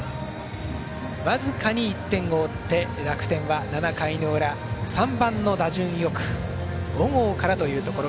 僅かに１点を追って楽天は７回裏３番の打順よく小郷からというところ。